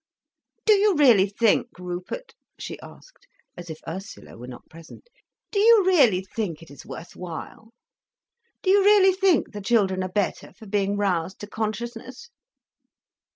"Do you really think, Rupert," she asked, as if Ursula were not present, "do you really think it is worth while? Do you really think the children are better for being roused to consciousness?"